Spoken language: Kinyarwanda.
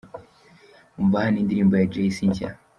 Umva hano indirimbo ya Jay C nshya.